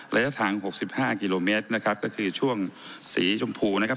ระยะทาง๖๕กิโลเมตรนะครับก็คือช่วงสีชมพูนะครับ